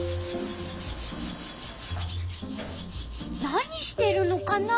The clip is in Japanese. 何してるのかな？